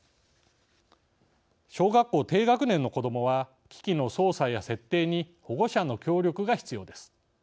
小学校低学年の子どもは機器の操作や設定に保護者の協力が必要です。